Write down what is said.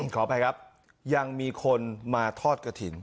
ขออภัยครับยังมีคนมาทอดกระถิ่น